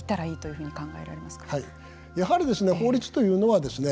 やはり法律というのはですね